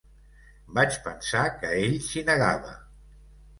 Vaig pensar que ell s’hi negava.